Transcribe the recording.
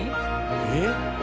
えっ？